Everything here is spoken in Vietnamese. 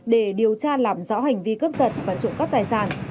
để điều tra làm rõ hành vi cướp giật và trộm cắp tài sản